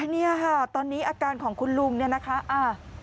เนี่ยค่ะตอนนี้อาการของคุณลุงเนี่ยนะคะ